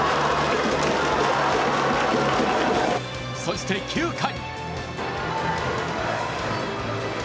そして９回。